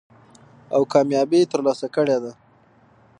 او کاميابي تر لاسه کړې ده.